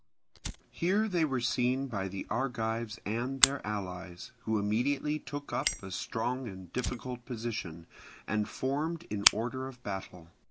Here they were seen by the Argives and their allies, who immediately took up a strong and difficult position, and formed in order of battle.